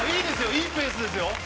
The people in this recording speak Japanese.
いいペースですよ。